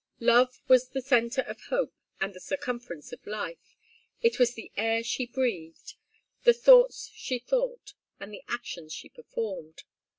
Love was the centre of hope and the circumference of life; it was the air she breathed, the thoughts she thought, and the actions she performed.